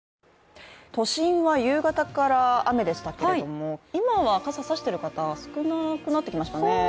都心は夕方から雨でしたけれども、今は傘差している方、少なくなってきましたね。